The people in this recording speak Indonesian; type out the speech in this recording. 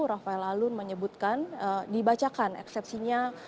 rafael alun menyebutkan dibacakan eksepsinya